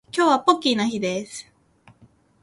今日はポッキーの日です